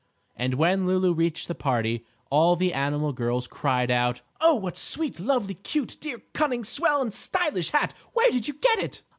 And when Lulu reached the party all the animal girls cried out: "Oh, what a sweet, lovely, cute, dear, cunning, swell and stylish hat! Where did you get it?"